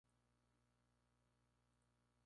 Tiene un Clima mediterráneo.